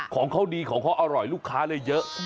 ของเขาดีของเขาอร่อยลูกค้าเลยเยอะ